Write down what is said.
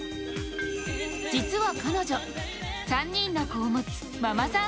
実は彼女、３人の子を持つママさん